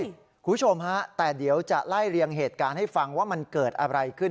คุณผู้ชมฮะแต่เดี๋ยวจะไล่เรียงเหตุการณ์ให้ฟังว่ามันเกิดอะไรขึ้น